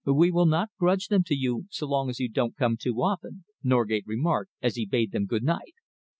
"We will not grudge them to you so long as you don't come too often," Norgate remarked, as he bade them good night.